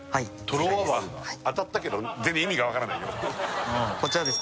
トロワバグだ当たったけど全然意味が分からないねこちらはですね